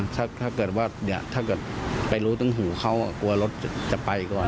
ถ้าเกิดไปรู้ตึงหูเขากลัวรถจะไปก่อน